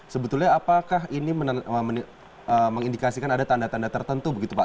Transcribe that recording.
sebetulnya apakah ini mengindikasikan ada tanda tanda tertentu begitu pak